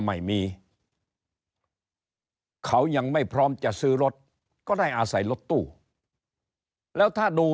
ไม่มีเขายังไม่พร้อมจะซื้อรถก็ได้อาศัยรถตู้แล้วถ้าดู